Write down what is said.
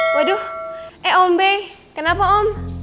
waduh eh om bey kenapa om